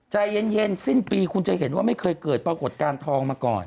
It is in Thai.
ใจเย็นสิ้นปีคุณจะเห็นว่าไม่เคยเกิดปรากฏการณ์ทองมาก่อน